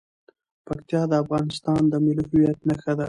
پکتیا د افغانستان د ملي هویت نښه ده.